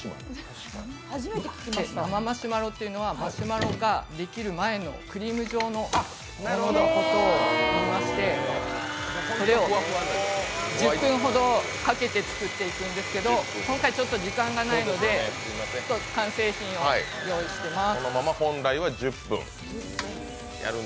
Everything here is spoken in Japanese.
生マシュマロというのはマシュマロができる前のクリーム状のものを言いまして、１０分ほどかけて作っていくんですけど今回、時間がないので１つ完成品を用意しています。